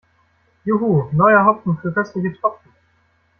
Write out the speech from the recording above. Juhu, neuer Hopfen für köstliche Tropfen!